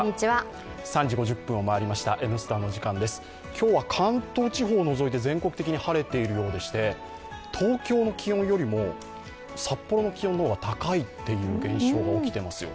今日は関東地方除いて全国的に晴れているようでして東京の気温よりも札幌の気温の方が高いという現象が起きてますよ。